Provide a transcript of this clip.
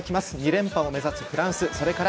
２連覇を目指すフランス。